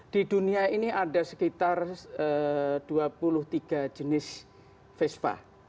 di dunia ini ada sekitar dua puluh tiga jenis vespa